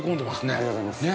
ありがとうございます。